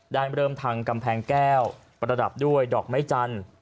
เริ่มทำกำแพงแก้วประดับด้วยดอกไม้จันทร์